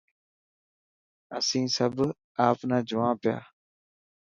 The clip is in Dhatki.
اسين سڀ آپ نا جوا پيا.